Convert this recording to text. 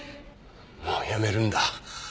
もうやめるんだ。